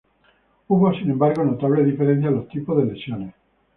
Hubo, sin embargo, notables diferencias en los tipos de lesiones.